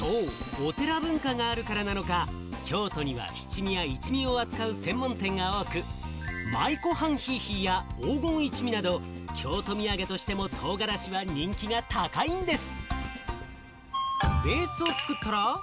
お寺文化があるからか、京都には七味や一味を扱う専門店が多く、舞子はんひぃひぃや、黄金一味など京都土産としても唐辛子は人気が高いんです。